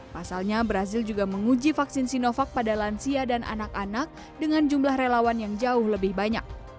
pasalnya brazil juga menguji vaksin sinovac pada lansia dan anak anak dengan jumlah relawan yang jauh lebih banyak